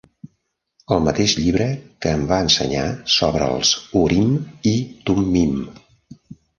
El mateix llibre que em va ensenyar sobre els urim i tummim.